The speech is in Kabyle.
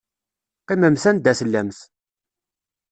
Qqimemt anda tellamt.